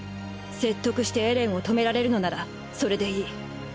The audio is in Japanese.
説得してエレンを止められるのならそれでいい。